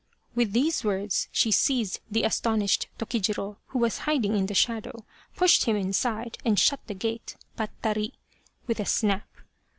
With these words she seized the as tonished Tokijiro, who was hiding in the shadow, pushed him inside and shut the gate (fiattari) with a snap.